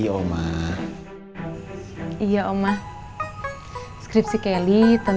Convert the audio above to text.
saya baru bangun dari rumah sisi giliran